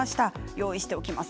用意しておきます